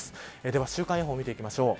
では週間予報見ていきましょう。